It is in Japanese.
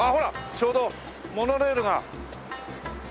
ちょうどモノレールが。